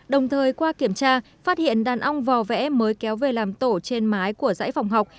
đồng thời qua kiểm tra phát hiện đàn ong vò vẽ mới kéo về làm tổ trên mái của giải phòng học